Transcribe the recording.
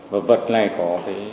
và vật này có